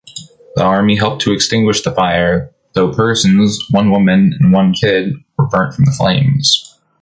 The army helped to extinguish the fire: tho persons, one woman and one kid, were burnt from the flames.